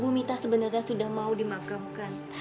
ibu mita sebenarnya sudah mau dimakamkan